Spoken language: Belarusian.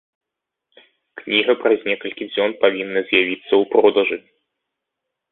Кніга праз некалькі дзён павінна з'явіцца ў продажы.